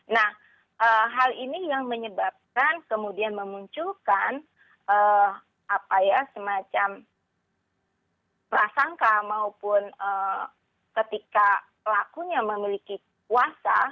nah hal ini yang menyebabkan kemudian memunculkan semacam prasangka maupun ketika pelakunya memiliki kuasa